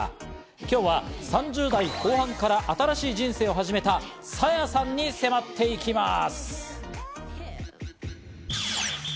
今日は３０代後半から新しい人生を始めたＳａｙａさんに迫っていきます。